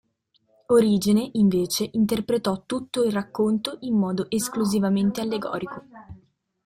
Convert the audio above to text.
Origene, invece, interpretò tutto il racconto in modo esclusivamente allegorico.